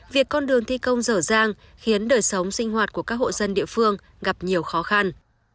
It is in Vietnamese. việc con đường thi công dở dàng khiến đời sống sinh hoạt của các hộ dân địa phương gặp nhiều khó khăn